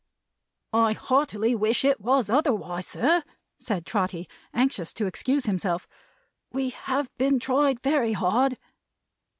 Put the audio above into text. "I heartily wish it was otherwise, sir," said Trotty, anxious to excuse himself. "We have been tried very hard."